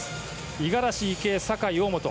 五十嵐、池江、酒井、大本。